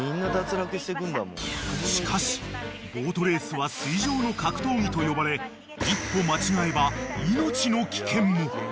［しかしボートレースは水上の格闘技と呼ばれ一歩間違えば］